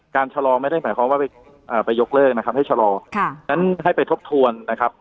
การชะลอไม่ได้หมายความว่าไปยกเลิกให้ชะลอฉะนั้นให้ไปทบทวน